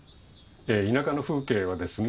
田舎の風景はですね